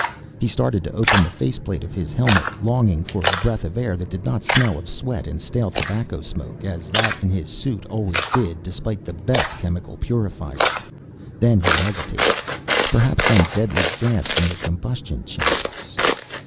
He started to open the face plate of his helmet, longing for a breath of air that did not smell of sweat and stale tobacco smoke, as that in his suit always did, despite the best chemical purifiers. Then he hesitated. Perhaps some deadly gas, from the combustion chambers....